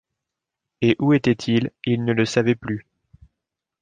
et où était-il il ne le savait plus.